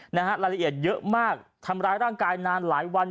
รายละเอียดเยอะมากทำร้ายร่างกายนานหลายวัน